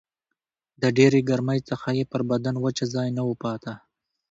د ډېرې ګرمۍ څخه یې پر بدن وچ ځای نه و پاته